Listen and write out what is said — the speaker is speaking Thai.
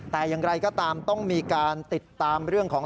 แต่อย่างไรก็ตามต้องมีการติดตามเรื่องของ